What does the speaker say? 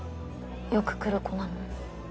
よく来る子なの？